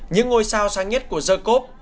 những ngôi sao sáng nhất của the cup